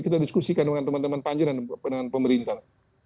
kita diskusikan dengan teman teman panjiran dan pemerintah